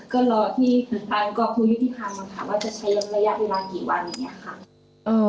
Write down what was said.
ก็รอที่ผ่านครูยุทิภาคมันถามว่าจะใช้ย้ำระยะเวลากี่วันอย่างนี้โค่